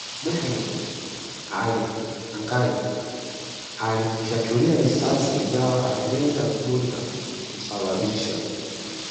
Mehmet Ali Agca alimfyatulia risasi Ingawa alilenga vizuri na kumsababisha